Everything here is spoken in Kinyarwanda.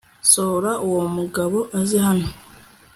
sohora uwo mugabo aze hano